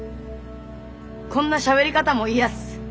こんなしゃべり方も嫌っす嫌。